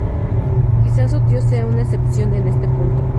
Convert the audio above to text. Quizá su tío sea una excepción en este punto.